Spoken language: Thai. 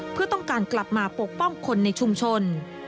เพื่อต้องการกลับมาปกป้องคนในชุมชน